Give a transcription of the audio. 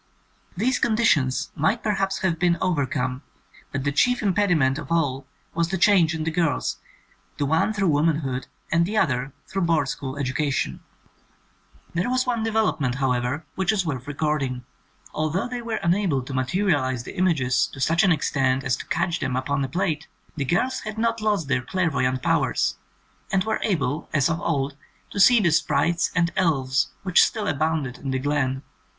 These conditions might perhaps have been overcome, but the chief impediment of all was the change in the girls, the one through womanhood and the other through board school education. 105 THE COMING OF THE FAIRIES There was one development, however, which is worth recording. Although they were unable to materialize the images to such an extent as to catch them upon a plate, the girls had not lost their clairvoyant powers, and were able, as of old, to see the sprites and elves which still abounded in the glen.